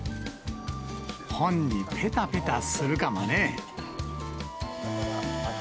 本にぺたぺたするかもね。